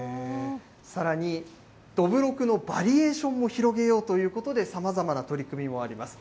さらに、どぶろくのバリエーションも広げようということで、さまざまな取り組みもあります。